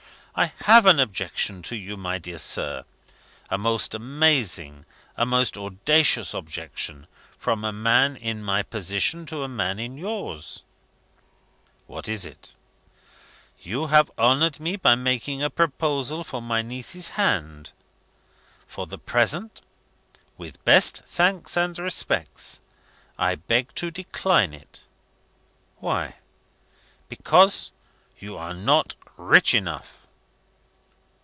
I have an objection to you, my dear sir a most amazing, a most audacious objection, from a man in my position to a man in yours." "What is it?" "You have honoured me by making a proposal for my niece's hand. For the present (with best thanks and respects), I beg to decline it." "Why?" "Because you are not rich enough."